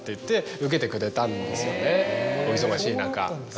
お忙しい中。